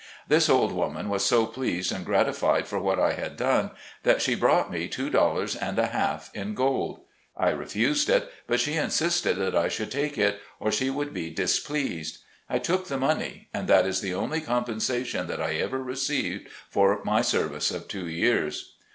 This old woman was so pleased and gratified for what I had done, that she brought me two dollars and a half in gold. I refused it, but she insisted that I should take it, or she would be displeased. I took the money ; and that is the only compensa tion that I ever received for my service of two years.